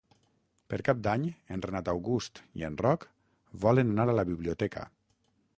Per Cap d'Any en Renat August i en Roc volen anar a la biblioteca.